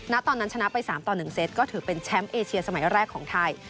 ตอนนั้นชนะไป๓ต่อ๑เซตก็ถือเป็นแชมป์เอเชียสมัยแรกของไทย